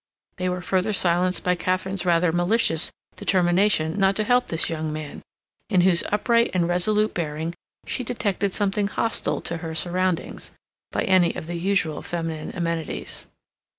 They were further silenced by Katharine's rather malicious determination not to help this young man, in whose upright and resolute bearing she detected something hostile to her surroundings, by any of the usual feminine amenities.